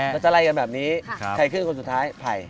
แล้วจะไล่กันแบบนี้ใครขึ้นคนสุดท้ายไผ่